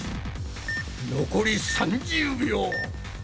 残り３０秒！